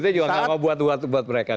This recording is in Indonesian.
itu juga gak mau buat buat mereka